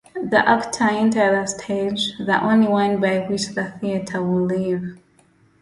The actor entered the stage, the only one by which the theater will live.